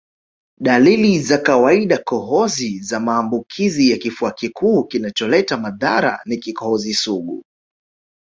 Dalili za kawaidaKohozi za maambukizi ya kifua kikuu kinacholeta madhara ni kikohozi sugu